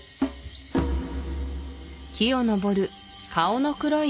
木を登る顔の黒い